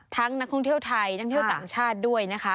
นักท่องเที่ยวไทยนักเที่ยวต่างชาติด้วยนะคะ